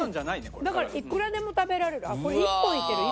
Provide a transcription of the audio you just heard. だからいくらでも食べられる。